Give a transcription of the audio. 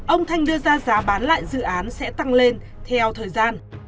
ông thanh đưa ra giá bán lại dự án sẽ tăng lên theo thời gian